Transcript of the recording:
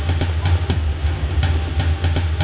ikut foto ibu saya satu satunya